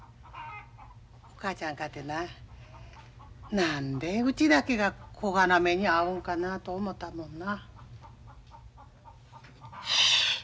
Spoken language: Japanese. お母ちゃんかてな何でうちだけがこがな目に遭うんかなと思たもんな。